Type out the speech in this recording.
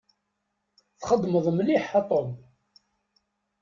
Txedmeḍ mliḥ a Tom.